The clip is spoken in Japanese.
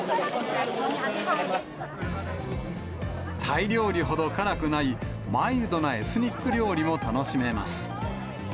タイ料理ほど辛くない、マイルドなエスニック料理も楽しめます。